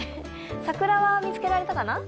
桜は見つけられたかな？